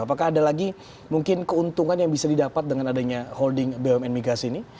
apakah ada lagi mungkin keuntungan yang bisa didapat dengan adanya holding bumn migas ini